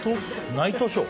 ナイトショー？